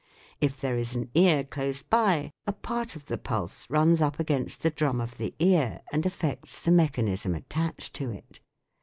If there is an ear close by, a part of the pulse runs up against the drum of the ear and affects the mechanism attached to it.